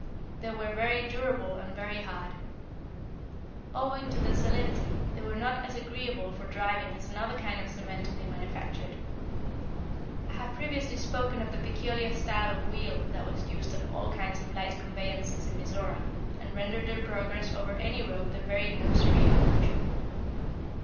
They were very durable and very hard. Owing to their solidity, they were not as agreeable for driving as another kind of cement they manufactured. I have previously spoken of the peculiar style of wheel that was used on all kinds of light conveyances in Mizora, and rendered their progress over any road the very luxury of motion.